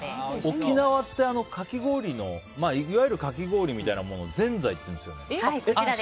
沖縄ってかき氷のいわゆるかき氷みたいなものをぜんざいっていうんですよ。